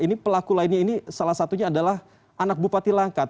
ini pelaku lainnya ini salah satunya adalah anak bupati langkat